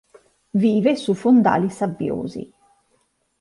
Vive su fondali sabbiosi.